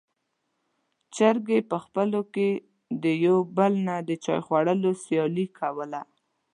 چرګې په خپلو کې د يو بل نه د چای خوړلو سیالي کوله.